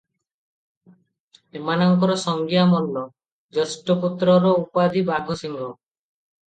ଏମାନଙ୍କର ସଂଜ୍ଞା ମଲ୍ଲ, ଜ୍ୟେଷ୍ଠପୁତ୍ରର ଉପାଧି ବାଘସିଂହ ।